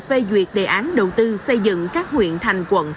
về duyệt đề án đầu tư xây dựng các huyện thành quận